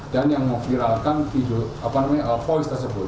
dedy prasetyo kepala biro penerangan masyarakat